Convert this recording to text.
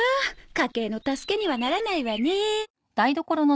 家計の助けにはならないわね。